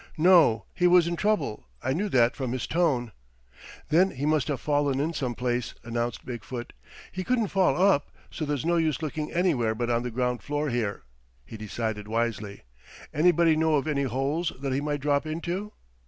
"No. He was in trouble. I knew that from his tone." "Then he must have fallen in some place," announced Big foot. "He couldn't fall up, so there's no use looking anywhere but on the ground floor here," he decided, wisely. "Anybody know of any holes that he might drop into?"